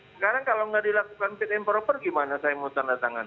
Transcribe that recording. sekarang kalau nggak dilakukan fit and proper gimana saya mau tanda tangan